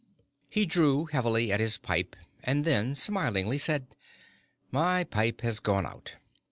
He drew heavily at his pipe and then smilingly said, "My pipe has gone out!"